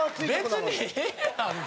別にええやんか。